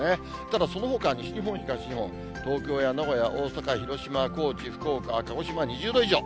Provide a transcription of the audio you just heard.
ただ、そのほか、西日本、東日本、東京や名古屋、大阪、広島、高知、福岡、鹿児島、２０度以上。